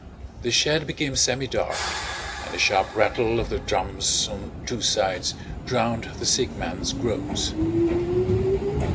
The shed became semidark, and the sharp rattle of the drums on two sides drowned the sick man's groans.